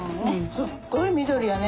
すっごい緑やね。